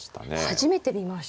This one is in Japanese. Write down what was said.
初めて見ました。